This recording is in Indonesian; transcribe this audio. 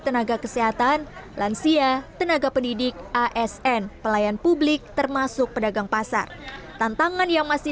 tenaga kesehatan lansia tenaga pendidik asn pelayan publik termasuk pedagang pasar tantangan yang masih